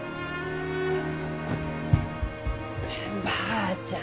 おばあちゃん